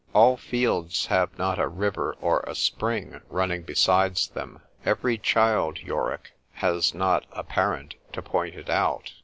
all fields have not a river or a spring running besides them;—every child, Yorick, has not a parent to point it out.